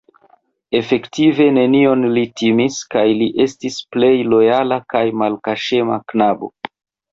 Efektive nenion li timis kaj li estis plej lojala kaj malkaŝema knabo.